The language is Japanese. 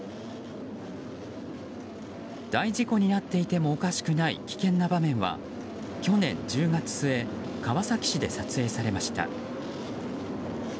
大事故になっていてもおかしくない危険な場面は去年１０月末川崎市で撮影されました。